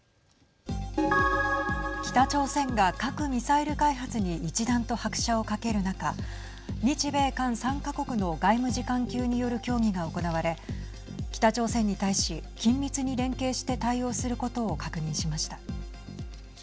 北朝鮮が核・ミサイル開発に一段と拍車をかける中日米韓３か国の外務次官級による協議が行われ北朝鮮に対し緊密に連携して対応することを確認しました。